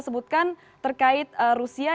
sebutkan terkait rusia